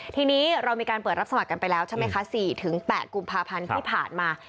ทีนี้เรามีการเปิดรับสมัครกันไปแล้วใช่ไหมคะ๔๘กุมภาพันธ์ที่ผ่านมา